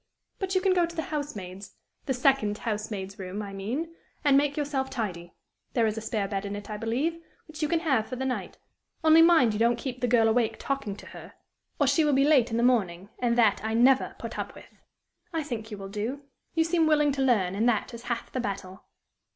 But you can go to the housemaid's the second housemaid's room, I mean and make yourself tidy. There is a spare bed in it, I believe, which you can have for the night; only mind you don't keep the girl awake talking to her, or she will be late in the morning, and that I never put up with. I think you will do. You seem willing to learn, and that is half the battle."